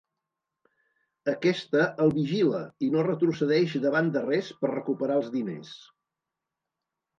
Aquesta el vigila i no retrocedeix davant de res per recuperar els diners.